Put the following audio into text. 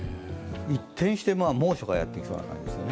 一転して猛暑がやってきそうです。